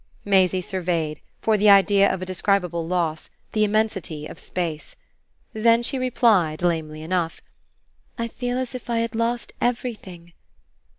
Maisie surveyed for the idea of a describable loss the immensity of space. Then she replied lamely enough: "I feel as if I had lost everything."